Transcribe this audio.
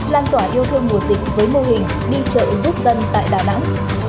lan tỏa yêu thương mùa dịch với mô hình đi chợ giúp dân tại đà nẵng